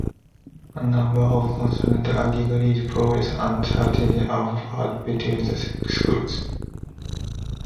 A number of concurrent degree programs and certificates are offered between the schools.